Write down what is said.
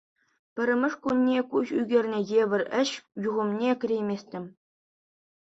Пӗрремӗш кунне куҫ ӳкернӗ евӗр ӗҫ юхӑмне кӗрейместӗм.